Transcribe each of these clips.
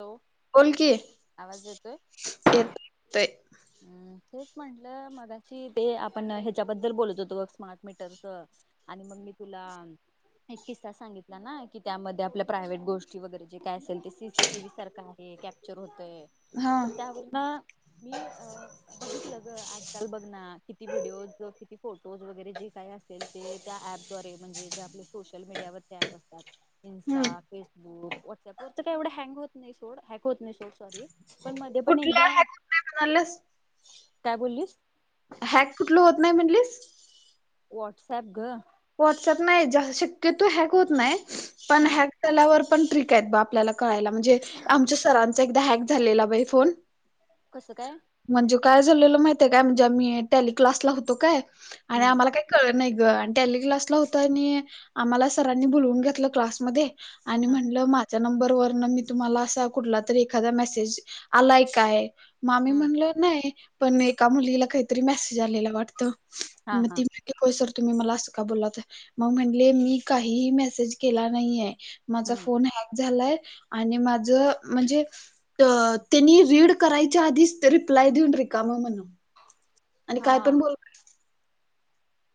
हो. कोण की. आवाज येतोय. येत. हम् तेच म्हंटलं मगाची ते आपण ह्याच्याबद्दल बोलत होतो स्मार्ट मीटरच. आणि मग मी तुला. एक किस्सा सांगितला ना की त्यामध्ये आपल्या प्रायव्हेट गोष्टी वगैरे जे काय असेल ते सीसीटीव्ही सारखा आहे. पचर होतय हा तर त्यावर मी. बघितलं ग आजकाल बघ ना किती व्हिडिओज किती फोटोज वगैरे जे काही असेल ते त्या ऍप. े म्हणजे जे आपले सोशल मीडियावर टॅप असतात. हम्म इन्स्टा फेसबुक व्हॉट्सअप वर काय एवढं हँग होत नाही सोड हॅग होत नाही सोड सॉरी. पण मध्ये पण कुठला एकदा ह कर म्हणाल. काय बोललीस. हॅक कुठलं होत नाही म्हणटलीस. वॉट्सॲप ग. व्हॉट्सअप नाही शक्यतो हॅक होत नाही पण हा हॅक. त्यालावर पण ट्रिक आहेत बा आपल्याला कळायला म्हणजे आमच्या सरांचा एकदा हॅक झालेला बा फोन. कसं काय. म्हणजे काय झालेलं माहिितय काय म्हणजे आम्ही टेलिक्लासला होतो काय आणि हम्म आम्हाला काय. कळ नाही ग आणि त्याली क्लासला होत आणि आम्हाला सरांनी बुोलवून घेतलं क्लासमध्येध्ये. आणि हा म्हणलं म. नंबर व न मी तुम्हाला असा कुठला तरी एखादा मेसेज आलाय काय. मामी हा म्हणल नाही पण एका मुलीला काहीतरी मेसेज आलेला वाटत मग त. हा होय सर तुम्ही मला असं का बोलात मग म्हणले मी काहीही मेसेज केला नाहीय. माझा फोन हॅक झालाय आणि माझ म्हणजे. त्यांनी रीड करायच्या आधीच रिप्लाय देऊन र काा म म्हणून. आणि काय हा पण बोल.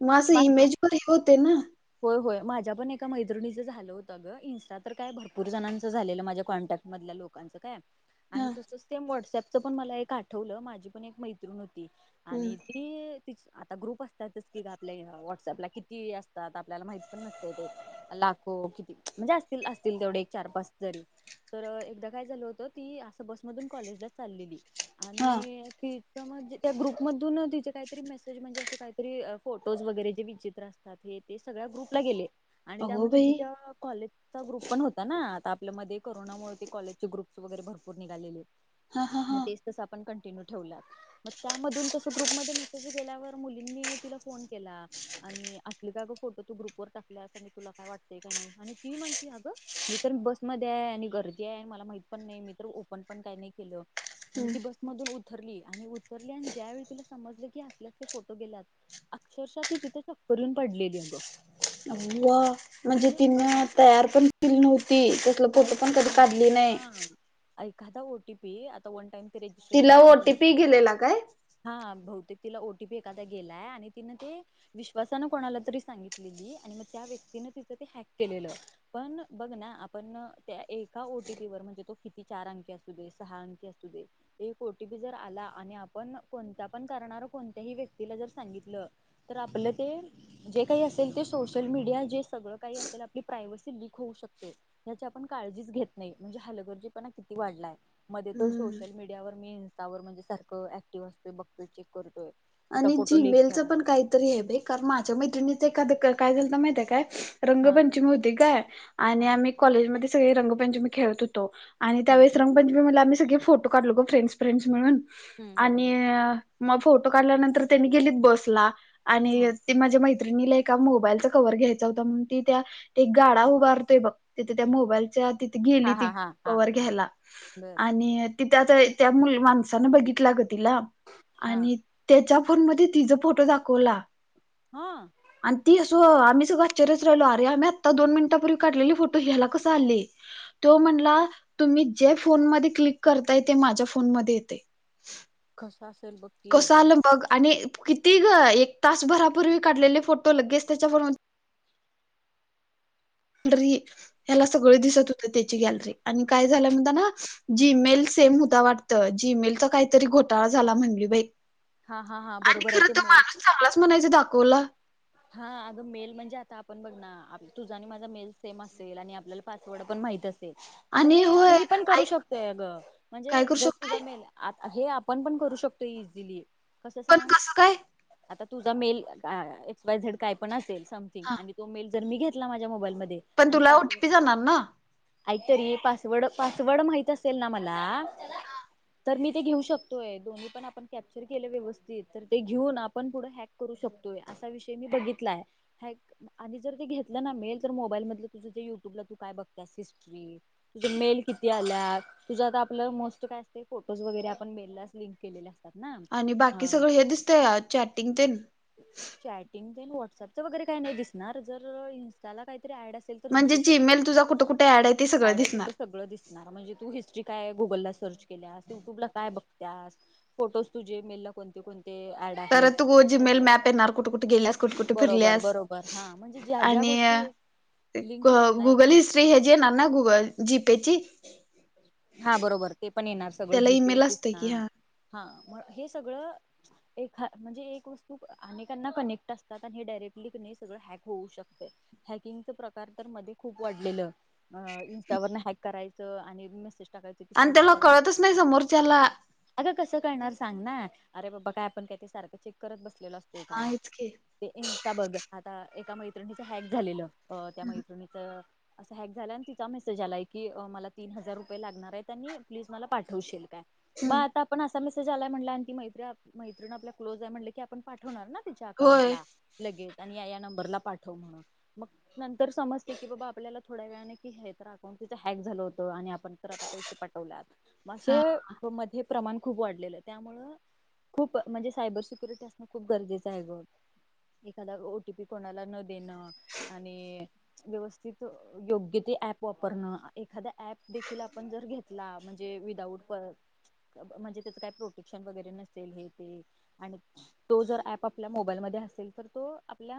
मगं माझ्या इमेजवर होते ना. होय होय माझ्या पण एका मैत्रिणीचं झालं होतं गं इन्स्टा तर काय भरपूर जणांचं झालेलं माझ्या कॉन्टॅक्ट. मधल्या लोकांचं काय. हा आणि तसंच ते व्हॉट्सअपच पण मला एक आठवलं माझी पण एक मैत्रिण होती. हम्म, आणि ते त आता ग्रुप असतात. आपल्या व्हॉट्सअपला किती असतात आपल्याला माहीत पण नसते ते. लाखो किती म्हणजे असतील असतील तेवढे एक चार पाच जरी. तर एकदा काय झालं होतं ती असं बसमधून कॉलेजला चाललेली. हा आणि तिच म्हणजे त्या ग्रुपमधून तिचे काहीतरी मेसेज म्हणजे असे काहीतरी. फोटोज वगैरे जे विचित्र असतात हे ते सगळ्या ग्रुपला गेले. आणि अगो त्यामध्ये बाई तिच्या कॉलेजचा ग्रुप पण होता. आता आपल्या म कोरोनामुळे ते कॉलेज चे ग्रुप्स वगैरे भरपूर निघालेले हा हा मग हा ते. आप कंटिन्यू ठेवलं त्यामध्ये त ग्रुप म मसेज गेल्यावर मुलींनी. तिला फोन केला आणि असली काय ग फोटो तू ग्रुपवर टाकला असं तुला काय वाटतंय काही नाही. आणि ती म्हटली अगं. मी तर बसमध्ये आहे आणि गर्दी आहे आणि मला माहित पण नाही मी तर ओपन पण काही नाही केलं. आणि ती बसमधून उतरली आणि उतरली आणि ज्यावेेळी तुला समजलं की हलेले फोटो गेलात. अक्षरशः ती तिथे चक्कर येऊन पडलेली आहे गं. अव म्हणजे तिन बघ तयार पण केली नव्हती. फोटो काहीच पण कधी नाही काढली नाही. हा एखादा ओ टीपी आता वन टाइम. ते रेजिस्ट्रेशन तिला ओ आपण टी त्याला पी गेलेला काय? हा बहुतेक तिला ओटीपी एखादा गेलाय आणि तिनं ते. विश्वासानं कोणाला तरी सांगितलेली आणि मग त्या व्यक्तीने तिचं ते हॅक केलेलं. पण बघ ना आप. पण त्या एका ओटीपी वर म्हणजे तो किती चार अंकी असू दे सहा अंकी असू दे. एक ओटीपी जर आला आणि आपण कोणता पण करणार कोणत्याही व्यक्तीला जर सांगितलं. तर आपलं ते. जे काही असेल ते सोशल मीडिया जे सगळं काही असेल आपली प्रायव्हसी लीक होऊ शकते. याची आपण काळजीच घेत नाही म्हणजे हलगर्जीपणा किती वाढलाय मध्ये तर हम्म सोशल मीडिया. त्यावर मी इंस्टावर म्हणजे सारखं ऍक्टिव्ह असतोय बघतो चेक करतोय. त्याचा आणि फोटो लीक झीमेलचं झाला पण काहीतरी आहे बे कार माझ्या मैत्रिणीचं एखादं काय झालं तर माहिती आहे काय. हा रंगपंचमी होती काय आणि हा. आम्ही कॉलेजमध्ये सगळी रंगपंचमी खेळत होतो. आणि हम्म त्यावेळेस रंगपंचमी मला आम्ही सगळे फोटो काढलो गो फ्रेंडस फ्रेंडस म्हणून हम्म आणि. बरोबर मग फोटो काढल्यानंतर त्यांनी गेलीत बसला हम्म आणि. ती माझ्या मैत्रिणीला एका मोबाईलचा कवर घ्यायचा होता म्हणून ती त्या. ते एक गाडा उभारतोय बघ तिथे त्या मोबाईलच्या. गेली हा हा ती हा हा कवर हा घ्यायला बर आणि. तिथ आता त्या मु माणसानं बघितलं ग तिला हा आणि. त्याच्या फोन मध्ये तिचा फोटो दाखवला. हा. आणि ती असं आम्ही सगळे आश्चर्य राहिलो आरे आम्ही आत्ता दोन मिनिटांपूर्वी काढलेली फोटो याला कसा आली तो म्हणला तुम्ही जे फोन म क्लिक करताय ते माझ्या फोनमध्ये येते कसं असेल बघ. की कसं आलं बघ आणि किती ग एक तासभरापूर्वी काढलेले फोटो लगेच त्याच्या फोन मध्ये. री त्याला सगळं दिसत होतं त्याची गॅलरी आणि काय झाल म्हणता ना जी-मेल सेम होता वाटत जीमेलचा कायतरी घोटाळा झाला म्हणली बाई हा हा हा आणि बरोबर आहे ते खरं तो मेल माणूस चांगलाच म्हणायच दाखवला. हा अगं मेल म्हणजे आता आपण बघ ना तुझा आणि माझा मेल सेम असेल आणि आपल्याला पासवर्ड पण माहीत अस आता आणि हे होय मी पण करू ऐक शकतय अग काय म्हणजे करू जर शकतोय तुझा मेल आ हे आपण पण करू शकतो इझिली कसं पण सांग काय आता तुझा मेल एक्स वाय झेड काय पण असेल समथिंग हा आणि तो मेल जर मी घेतला माझ्या मोबाईल मध्ये पण आणि तुला पासवर्ड ओटीपी जाणार ना ऐक तरी पासवर्ड पासवर्ड माहीत असेल ना मला हा तर मी ते घेऊ शकतोय दोन्ही पण आपण कॅप्चर केलं व्यवस्थित तर ते घेऊन आपण पुढं हॅक करू शकतोय असा विषय मी बघितलाय हॅक आणि जर ते घेतलं ना मेल तर मोबाईल मधलं तुझ जे युट्यूबला तू काय बघत्यास हिस्ट्री तुझ मेल किती आल्यात तुझं आता आपलं मोस्ट काय असतय फोटोज वगैरे आपण मेललाच लिंक केलेले अस आणि बाकी सगळं हे दिसत चॅटिंग तेनं चॅटिंग तेन व्हॉट्सअपच वगैरे काय नाय दिसणार जर इन्स्टाला कायतरी ऍड असेल तर म्हणजे दिसू शकते. जीमेल तुझा कुट कुट ऍड आहे ते सगळं दिसणार. णार म्हणजे तू हिस्ट्री काय गुगल सर्च केल्यास युट्यूब ला काय बघत्यास फोटोज तुझे मेलला कोणते कोणते ऍड तर आहेत तु गो हे जिमेल सगळं मॅप येणार कुट कुट गेल्यास कुट कुट बरोबर फिरल्यास बरोबर हा म्हणजे ज्या ज्या आणि गोष्टी लिंक ग आहेत ना गुगल एकमेक हिस ते ह्याजी येणार ना गुगल जीपे ची हा बरोबर ते पण येणार सगळं त्याला जी पी ईमेल एस असतोय की दिसणार हा हा म हे सगळं एखा म्हणजे एक वस्तू अनेकांना कनेक्ट असतात आणि हे डायरेक्टली सगळं हॅक होऊ शकतय. हॅकिंगच प्रकार तर मध्ये खूप वाढलेलं इंस्टावरन हॅक करायचं आणि मेस सेज टाकाय आणि त्याला कळतच नाय समोरच्याला अग कसं करणार सांग ना अरे बाबा काय आपण काय ते सारखं चेक करत बसलेलो असतोय हा का? हेच की ते इन्स्टा बग आता एका मैत्रिणीचं हॅक झालेलं अ त्या मैत्रिणी त असा हॅक झाला आणि तिचा मेसेज आलाय की मला तीन हजार रू पये लागणार येत आणि प्लीज मला पाठवशील काय? पण असा मेसेज आलाय म्हणल्या आणि ती मैत्री मैत्रीण आपल्या क्लोज आहे म्हटलं की आपण पा पाठवणार ना तिच्या अकाउंट होय ला लगेच आणि या यां नंबरला पाठव म्हणून मग नंतर समजते की बाबा आपल्याला थोड्या वेळाने की हे तर अकाउंट तिच हॅक झालं होतं आणि आप तर पैसे पाठवले आत म असे हा मध्ये प्रमाण खूप वाढलेलं य त्यामुळ खूप म्हणजे सायबर सिक्युरिटी असणं खूप गरजेचं हाय ग एखादा ओ टी पी कोणाला न देणं आणि व्यवस्थित योग्य ते ऍप वापरणं एखादा ऍप देखील आप आपण जर घेतला म्हणजे विदाउट पर म्हणजे त्याचं काय प्रोटेक्शन वगैरे नसेल हे ते आणि तो जर ऍप आपल्या मोबाईलमध्ये असेल तर तो आपल्या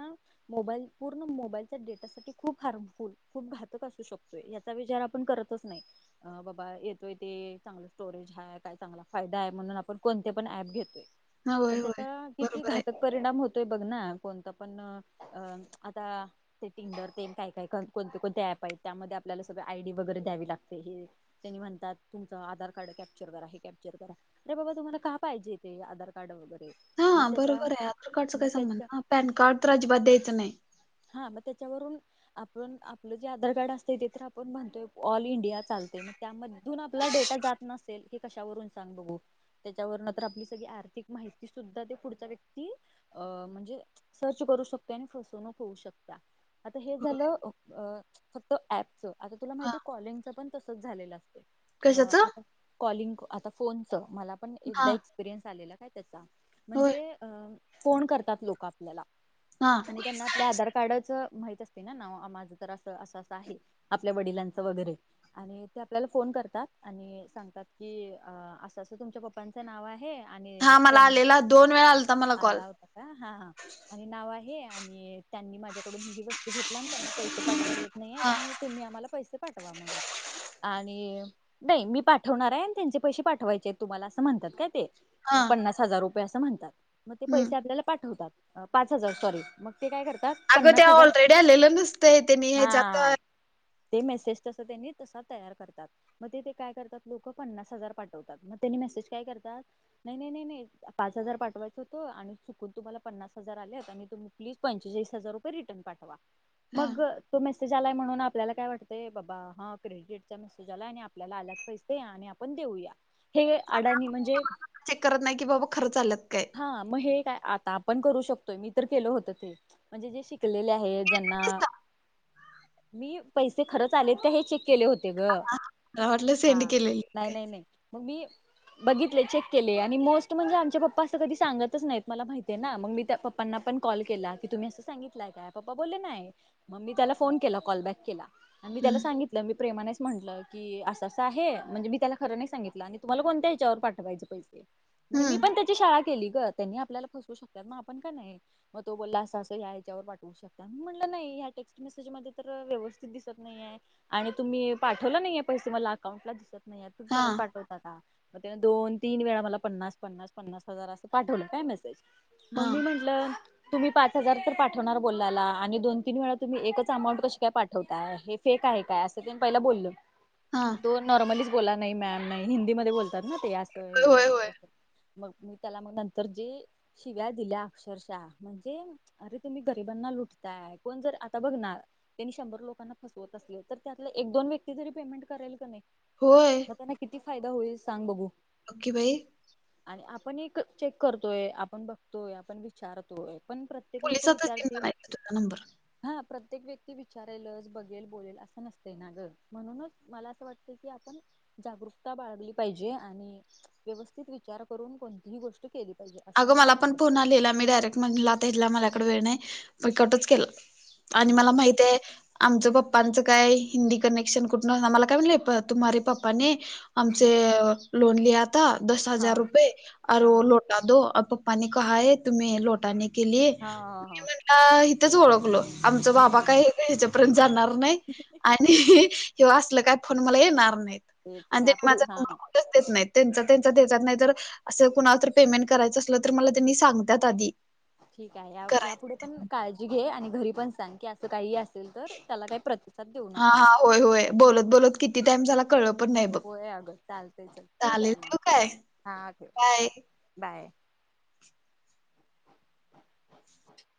मोबाईल पूर्ण मोबाईलच्या डेटासाठी खूप हार्मफुल खूप घातक असू शकतोय. या चां विचार आपण करतच नाय बाबा येतोय ते चांग स्टोरेज हाय काय चांगला फायदा हाय म्हणून आपण कोणते पण ऍप घेतोय. हा, पण होय होय त्याचा किती बरोबर आहे घातक परिणाम होतोय बघ ना कोणता पण अ आता सेटिंगडर तेन काय काय कोणते कोणते ऍप आहेत त्यामध्ये आपल्याला सगळ आयडी वगैरे द्यावी लागते हे त्यांनी म्हणतात तुमचं आधार कार्ड कॅप्चर करा हे कॅप्चर करा अरे बाबा तुम्हाला का पाहिजे तेे आधार कार्ड वगैरे हा मग त्याच्या बरोबर आहे आधार कार्डच मग काही संबं त्याच्या ना पॅन कार्ड तर अजिबात्यायं नाही हा मग त्याच्यावरून आपण आपलं जे आधार कार्ड असते ते तर आपण म्हणतोय ऑल इंडिया चालतेय म त्यामधून आपला डेटा जात नसेल हे कशावरून सांग बघू त्याच्यावर नंत आपली सगळी आर्थिक माहिती सुद्धा ते पुढचा व्यक्ती अ म्हणजे सर्च करू शकते आणि फसवू नक हे झा फक् आ तुला हा माहि कलंगण त झालेलं अस कशाच आ कॉलिंग आता फोनच मला पण एकदा हा एक परयस आलेला काय त्याचा होय म्हणजे फोन करतात लोक आपल्याला हा आणि त्यांना आपल्या आधार कार्डच माहित असते ना ना माझं तर असं असं असं आहे आपल्या वडिलांचं वगैरे आणि ते आपल्याला फोन करतात आणि सांगतात की असं असं तुमच्या पप्पांचं नाव आहे हा आणि मला आलेला दोन वेळा आला तर मला कॉल आला होता हा आणि नाव आहे आणि त्यांनी माझ्याकडून ही ही वस्तू घेतला आणि त्यांना पैसे पाठवायला येत नाही हा आणि तुम्ही आम्हाला पैसे पाठवा म्हगून आणि नाही मी पाठवणार आहे आणि त्यांचे पैसे पाठवायचे तुम्हाला असं म्हणतात काय ते हा पन्नास हजार रुपये, असं म्हणतात. मग ते हम्म पैसे, आपल्याला पाठवतात. पाच हजार, सॉरी. मग ते काय करतात? तर, अगं पन्नास त्या हजार. ऑलरेडी आलेलं नसतंय त्यांनी ह्याच्यात हा. ते मेसेज तसं, त्यांनी तसा तयार करतात. मग ते, ते काय करतात लोक, पन्नास हजार पाठवतात. मग त्यांनी मेसेज काय करतात, नाही, नाही, नाही, नाही. पाच हजार, पाठवायचं होतं आणि चुकून तुम्हाला पन्नास हजार आलेत. आणि तुम्ही प्लीज पंचेचाळीस हजार रिटर्न पाठवा. मगं तो मेसेज आलाय म्हणून, आपल्याला काय वाटतंय? बाबा हा! क्रेडीटेडचा मेसेज आलाय आणि आपल्याला आल्यात पैसे आणि आपण देऊया हे अडणी म्हणजे चेक करत नाही की, बाबा खरंच आलेत काय? हा, मग हे काय? आता आपण करू शकतोय, मी तर केलं होत ते. म्हणजे जे शिकलेले आहे, ज्यांना. तेच ना, मी पैसे खरंच आलेत का हे चेक केले होते गं, मला वाटलं सेंड हा. केलेली नाही, काय नाही, नाही. मग मी बघितले, चेक केले. आणि मोस्ट म्हणजे आमचे पप्पा तर कधी सांगतच नाहीत मला माहिती आहे ना. मग मी त्या पप्पांना पण कॉल केला की, तुम्ही असं सांगितलंय का? पप्पा बोलले नाही, मग मी त्याला फोन केला. कॉलबॅक केला आणि मी त्याला हम्म सांगित त्याला, मी प्रेमानेच म्हटलं की असं-असं आहे. म्हणजे मी त्याला, खरं नाही सांगितलं आणि तुम्हाला, कोणत्या ह्याच्यावर पाठवायचें पैसे. म्हणजे मी हम्म पण, त्याची शाळा केली गं. त्यांनी आपल्याला फसवू शकतात, मग आपण का नाही? मग तो बोलला, असं-असं या ह्याच्यावर पाठवू शक तातं. म्हटलं नाही ह्या टेक्स्ट मेसेज मध्ये तर, व्यवस्थित दिसत नाही आहे. आणि तुम्ही, पाठवलं नाहीये पैसे मला अकाउंटला दिसत नाही. आता हा परत पाठवतो आता दोन-तीन वेळा मला, पन्नास-पन्नास-पन्नास हजार असं पाठवलं, काय मेसेज. मग हा मी म्हंटलं तुम्ही पाच हजार तर पाठवणार बोललेला आणि दोन-तीन वेळा तुम्ही एकच अमाऊंट कशी काय पाठवताय? हे फेक आहे का? असं तेनं पहिला बोललं हा तो नॉर्मलीच बोलला, नही मॅम नाही. हिंदीमध्ये बोलतात ना ते असं हे होय असं होय तसं मग मी त्याला, मग नंतर जे शिव्या दिल्या अक्षरशः म्हणजे अरे! तुम्ही गरिबांना लुटताय. कोण जर आता बघ ना त्यांनी शंभर लोकांना फसवत असले तर, त्यातला एक-दोन व्यक्ती तरी पेमेंट करेल का नाही? होय. मग त्यांना, किती फायदा होईल. सांग बघू? बघ की बाई. आणि आपण एकं चेक करतोयं, आपण बघतोयं, आपण विचारतोयं. पण प्रत्य पोलिसातच देईन म्हणायच तुझा नंबर. हा प्रत्येक व्यक्ती विचारेलंच बघेल, बोलेल असं नसतंय ना! गं. म्हणूनच मला असं वाटतंय की. आपण जागरूकता, बाळगली पाहिजे. आणि व्यवस्थित विचार करून कोणतीही गोष्टं अगं मला पण फोन आलेला मी डायरेक्ट म्हंटलं आता हेनला माझ्याकडं वेळ नाही, मी कटच केल. आणि मला बर माहित आहे आमचं पप्पांचं, काय हिंदी कनेक्शन कुठून आलं? आ मला काय म्हणले, तुम्हारे पप्पाने हमसे लोन लिया था. दस हा हजार रुपये और ओ हा लोट टा दो. और पप्पा ने कहा हैं, तुम्हें लोटाने के लिए. हा मी हा हा. म्हणलं त्याला इथच ओळखलो. आमचं बाबा हम्म काय ह्याच्यापर्यंत जाणार नाही आणि हे असलं काय फोन मला येणार नाही. तेच आणि त्यांनी यापूर्वी माझा हा नंबर कुठंच देत नाहीत. त्यांचा-त्यांचा देतात, नाही तर असं कुणाला तर पेमेंट करायचं असलं तर मला त्यांनी सांगतात आधी. ठीक आहे. यापुढे करायचं पण काळजी घे आणि घरी पण सांग की तसं काही असेल तर त्याला काही प्रतिसाद देऊ नका म्हणून. बोलत-बोलत किती टाईम झाला क कळलं पण नाही. बघ होय अगं चालतंय. चल ठेवू चालेल का मग? काय हा ठेव, बाय. बाय-बाय.